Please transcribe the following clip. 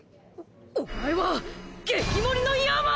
おお前は激盛りの山井！